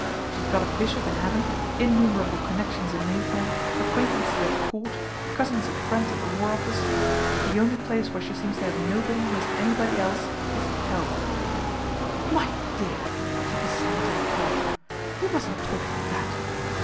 " She has got a bishop in heaven, innumerable connections in Mayfair, acquaintances at Court, cousins of friends at the War Office ; the only place where she seems to have nobody who has anybody else is hell." INTERVENTION OF AUNT ADELAIDE 93 " My dear !" said Mrs. Hamilton in horror, " you mustn't talk like that."